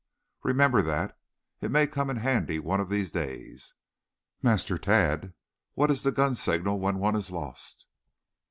Remember that. It may come in handy one of these days. Master Tad, what is the gun signal when one is lost?"